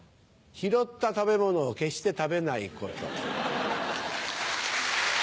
拾った食べ物を決して食べないこと。